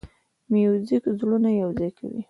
موزیک زړونه یوځای کوي.